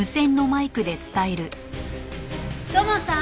土門さん？